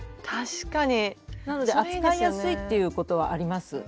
なので扱いやすいっていうことはあります。